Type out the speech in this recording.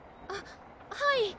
あっはい。